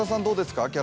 どうですか？